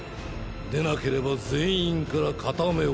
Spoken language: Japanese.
出なければ全員から片目をくりぬく。